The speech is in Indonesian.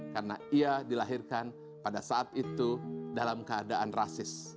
karena ia dilahirkan pada saat itu dalam keadaan rasis